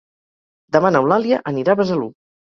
Demà n'Eulàlia anirà a Besalú.